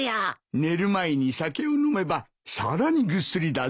寝る前に酒を飲めばさらにぐっすりだぞ。